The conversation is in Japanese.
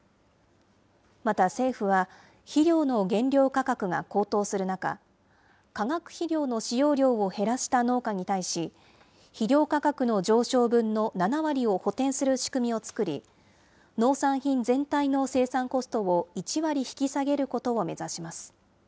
また政府は、肥料の原料価格が高騰する中、化学肥料の使用量を減らした農家に対し、肥料価格の上昇分の７割を補填する仕組みを作り、農産品全体の生産コストを１割引き下げることを目指します。